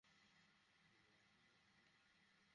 নিশ্চিত হয়ে যান যে, এটা তার সাথি ইকরামার কণ্ঠস্বর।